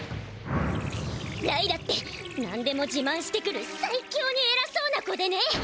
ライラって何でもじまんしてくるサイキョにえらそうな子でね。